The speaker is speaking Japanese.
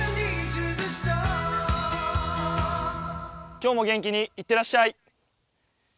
今日も元気にいってらっしゃい。